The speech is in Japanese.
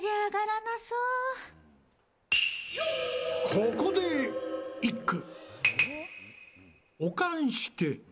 ここで一句。